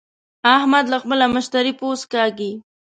احمد له خپله مشتري پوست کاږي.